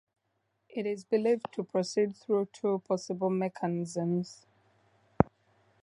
It is believed to proceed through two possible mechanisms.